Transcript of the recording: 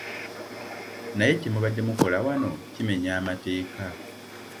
Naye kye mubadde mukola wano kimenya mateeka.